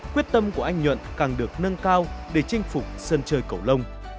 quyết tâm của anh nhuận càng được nâng cao để chinh phục sân chơi cầu lông